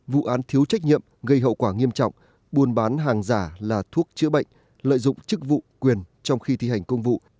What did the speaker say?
vụ án thiếu trách nhiệm gây hậu quả nghiêm trọng buôn bán hàng giả là thuốc chữa bệnh lợi dụng chức vụ quyền trong khi thi hành công vụ